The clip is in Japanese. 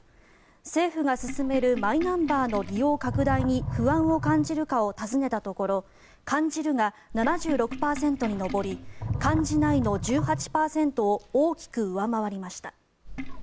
政府が進めるマイナンバーの利用拡大に不安を感じるかを尋ねたところ感じるが７６％に上り感じないの１８％を大きく上回りました。